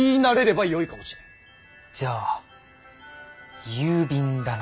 じゃあ郵便だな。